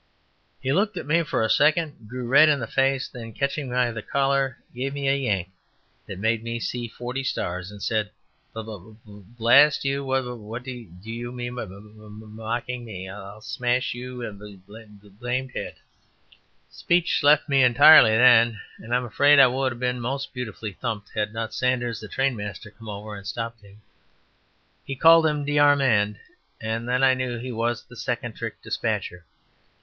He looked at me for a second, grew red in the face, then catching me by the collar, gave me a yank, that made me see forty stars, and said, "B b b last you! wh wh at d d o y y ou m mean b b y m mocking me? I'll sm sm ash y y our b b b lamed r r ed head.'" Speech left me entirely then, and I am afraid I would have been most beautifully thumped, had not Sanders, the trainmaster, come over and stopped him. He called him "De Armand," and I then knew he was the second trick despatcher.